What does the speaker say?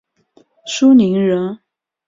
舒磷人。